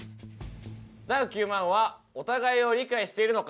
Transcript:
ダウ９００００はお互いを理解しているのか？